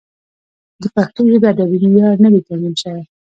د پښتو ژبې ادبي معیار نه دی تنظیم شوی.